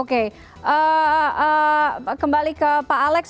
oke kembali ke pak alex